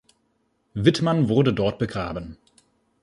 Wittmann wurde dort begraben.